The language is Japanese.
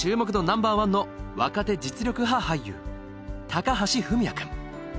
ナンバーワンの若手実力派俳優高橋文哉君